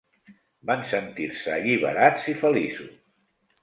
Van sentir-se alliberats i feliços.